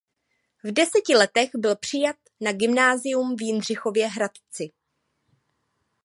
V deseti letech byl přijat na gymnázium v Jindřichově Hradci.